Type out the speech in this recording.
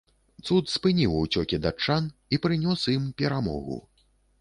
Цуд спыніў уцёкі датчан і прынёс ім перамогу.